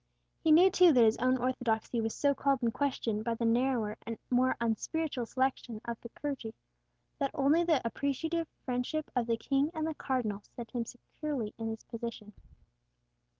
He knew, too, that his own orthodoxy was so called in question by the narrower and more unspiritual section of the clergy that only the appreciative friendship of the King and the Cardinal kept him securely in his position.